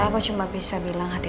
kalau aku cuma bisa bilang hati hati ya